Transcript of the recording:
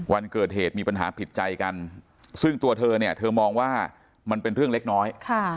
วันเกิดเหตุมีปัญหาผิดใจกันซึ่งตัวเธอเนี่ยเธอมองว่ามันเป็นเรื่องเล็กน้อย